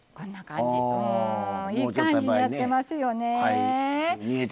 いい感じになってますよね。